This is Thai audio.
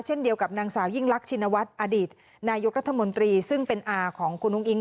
เช่นเดียวกับนางสาวยิ่งลักษณวัฒน์อดิษฐ์นายุทธมนตรีซึ่งเป็นอาของคุณองค์อิ๊ง